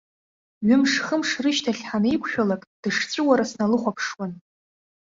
Ҩымш-хымш рышьҭахь ҳанеиқәшәалак, дышҵәыуара сналыхәаԥшуан.